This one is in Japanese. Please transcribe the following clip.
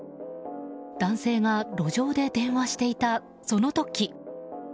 男性が路上で電話していたその時。